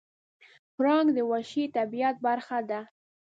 پړانګ د وحشي طبیعت برخه ده.